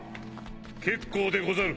結構でござる